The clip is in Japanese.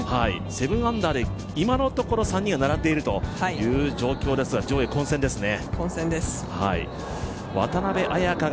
７アンダーで今のところ３人が並んでいるという状況で上位は混戦ですね。